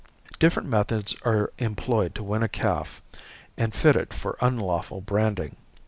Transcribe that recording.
Different methods are employed to win a calf and fit it for unlawful branding.